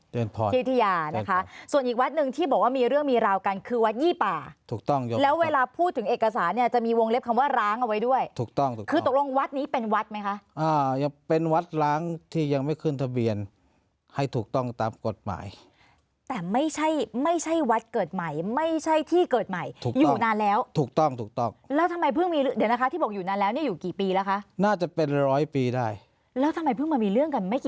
เดินพอดที่ที่ยานะคะส่วนอีกวัดหนึ่งที่บอกว่ามีเรื่องมีราวกันคือวัดยี่ป่าถูกต้องแล้วเวลาพูดถึงเอกสารเนี่ยจะมีวงเล็บคำว่าร้างเอาไว้ด้วยถูกต้องคือตกลงวัดนี้เป็นวัดไหมค่ะเป็นวัดล้างที่ยังไม่ขึ้นทะเบียนให้ถูกต้องตามกฎหมายแต่ไม่ใช่ไม่ใช่วัดเกิดใหม่ไม่ใช่ที่เกิดใหม่อยู่นานแล้วถูกต